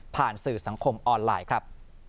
สื่อสังคมออนไลน์ครับ